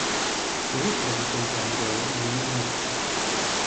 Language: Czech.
Jejich producentem byl Jimmy Miller.